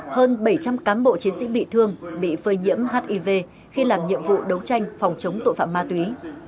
hơn bảy trăm linh cán bộ chiến sĩ bị thương bị phơi nhiễm hiv khi làm nhiệm vụ đấu tranh phòng chống tội phạm ma túy